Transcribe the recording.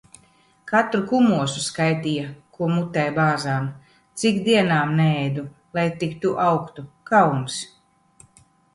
Katru kumosu skaitīja, ko mutē bāzām. Cik dienām neēdu, lai tik tu augtu. Kauns!